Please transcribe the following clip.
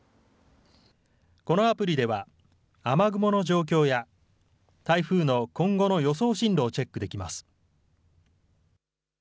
このアプリでは雨雲の状況や台風の今後の予想進路をチェックできます。